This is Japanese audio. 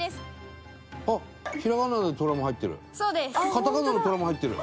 カタカナの「トラ」も入ってる。